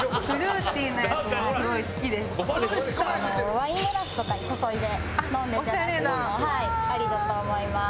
ワイングラスとかに注いで飲んでいただくのもありだと思います。